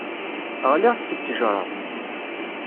Ɣliɣ-d seg ttejra.